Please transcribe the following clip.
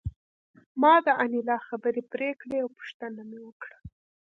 ما د انیلا خبرې پرې کړې او پوښتنه مې وکړه